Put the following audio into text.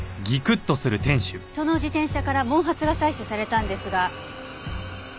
その自転車から毛髪が採取されたんですが。